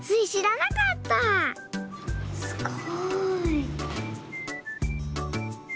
すごい。